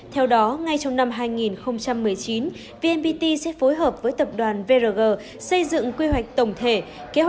theo đó ngay trong năm hai nghìn một mươi chín vnpt sẽ phối hợp với tập đoàn vrg xây dựng quy hoạch tổng thể